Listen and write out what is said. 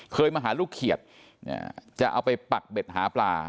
เคยมาหาลูกเขียดจะเอาไปปักเบ็ดหาปลา